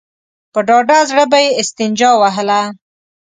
په ډاډه زړه به يې استنجا وهله.